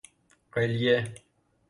قلیه